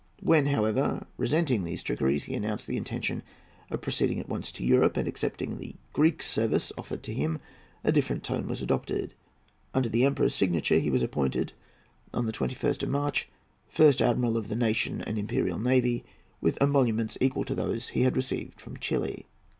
When, however, resenting these trickeries, he announced his intention of proceeding at once to Europe, and accepting the Greek service offered to him, a different tone was adopted. Under the Emperor's signature he was appointed, on the 21st of March, First Admiral of the National and Imperial Navy, with emoluments equal to those he had received from Chili.